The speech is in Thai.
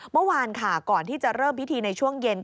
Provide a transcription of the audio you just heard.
เมื่อวานค่ะก่อนที่จะเริ่มพิธีในช่วงเย็น